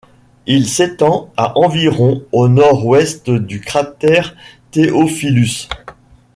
Il s'étend à environ au nord-ouest du cratère Theophilus.